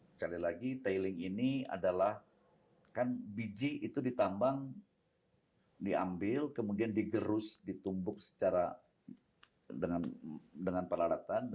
sekali lagi tailing ini adalah kan biji itu ditambang diambil kemudian digerus ditumbuk secara dengan peralatan